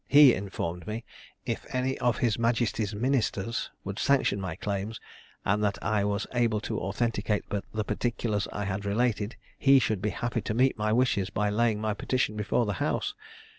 He informed me, if any of his majesty's ministers would sanction my claims, and that I was able to authenticate the particulars I had related, he should be happy to meet my wishes by laying my petition before the house.